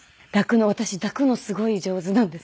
私抱くのすごい上手なんです。